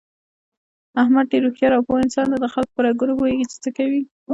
احمد ډېر هوښیار او پوه انسان دی دخلکو په رګونو پوهېږي، چې څه کوي...